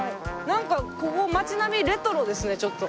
なんかここ街並みレトロですねちょっと。